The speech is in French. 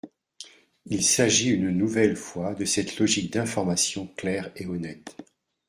Il s’agit une nouvelle fois de cette logique d’information claire et honnête.